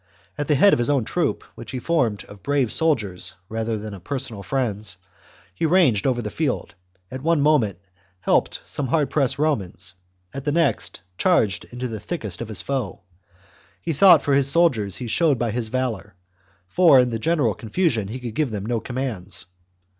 At the head of his own troop, which he had formed of brave soldiers rather than personal friends, he ranged over the field ; at one moment helped some hard pressed Romans ; at the next charged into the thickest of the foe. His thought for his soldiers he showed by his valour, for in the general confusion he could give them no commands.